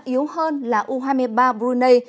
yếu hơn là u hai mươi ba brunei